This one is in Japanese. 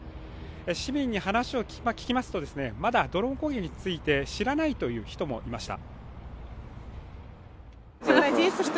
市民に話を聞きますと、まだドローン攻撃について知らないという人もいました。